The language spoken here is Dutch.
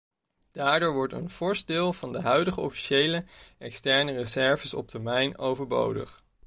Daardoor wordt een fors deel van de huidige officiële externe reserves op termijn overbodig.